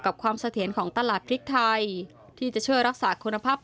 กับความเสถียรของตลาดพริกไทยที่จะใช่รักษาคุณภาพของพริกไทยเอาไว้